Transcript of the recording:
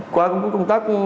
qua công tác